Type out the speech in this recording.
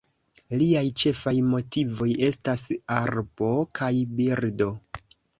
Liaj ĉefaj motivoj estas arbo kaj birdo.